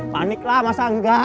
panik lah masa enggak